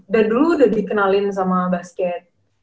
dulu udah dikenalin sama basket